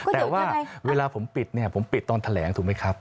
แต่ว่าเวลาผมปิดเนี่ยผมปิดตอนแถลงถูกไหมครับ